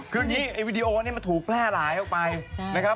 คือคืนนี้ไอลินิโอมาถูกแพร่หลายออกไปนะครับ